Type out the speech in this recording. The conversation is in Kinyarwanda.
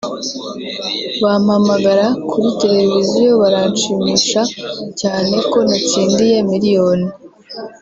bampamagara kuri televiziyo biranshimisha cyane ko natsindiye miliyoni